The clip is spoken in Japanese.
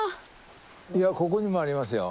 ここにもありますよ。